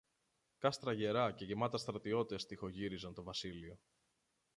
κάστρα γερά και γεμάτα στρατιώτες τειχογύριζαν το βασίλειο.